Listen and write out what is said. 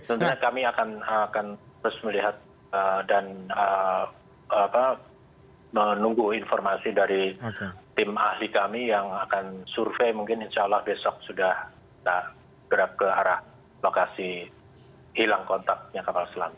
tentunya kami akan terus melihat dan menunggu informasi dari tim ahli kami yang akan survei mungkin insya allah besok sudah gerak ke arah lokasi hilang kontaknya kapal selam